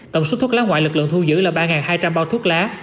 tổng số thuốc lá ngoại lực lượng thu giữ là ba hai trăm linh bao thuốc lá